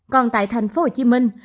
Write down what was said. còn tại thành phố hồ chí minh